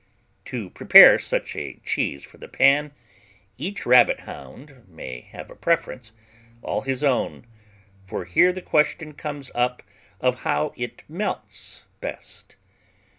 To prepare such a cheese for the pan, each Rabbit hound may have a preference all his own, for here the question comes up of how it melts best.